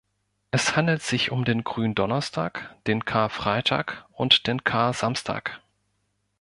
Es handelt sich um den Gründonnerstag, den Karfreitag und den Karsamstag.